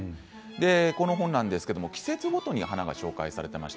この本、季節ごとに花が紹介されています。